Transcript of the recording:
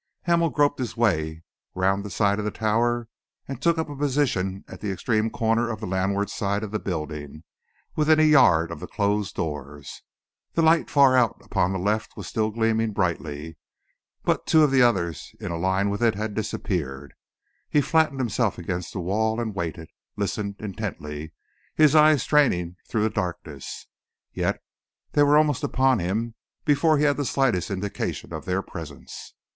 Hamel groped his way round the side of the Tower and took up a position at the extreme corner of the landward side of the building, within a yard of the closed doors. The light far out upon the left was still gleaming brightly, but two of the others in a line with it had disappeared. He flattened himself against the wall and waited, listening intently, his eyes straining through the darkness. Yet they were almost upon him before he had the slightest indication of their presence.